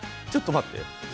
ちょっと待って。